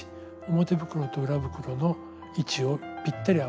表袋と裏袋の位置をぴったり合わせておいて下さい。